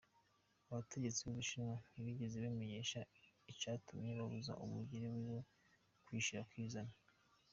Abategetsi b'Ubushinwa ntibigeze bamenyesha icatumye babuza umugire wiwe kwishira akizana.